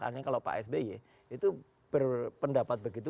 karena kalau pak sby itu berpendapat begitu